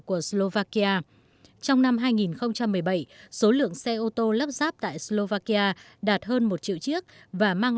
của slovakia trong năm hai nghìn một mươi bảy số lượng xe ô tô lắp ráp tại slovakia đạt hơn một triệu chiếc và mang